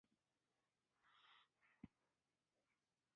احمد وویل تتارا اوبه موندلی شي.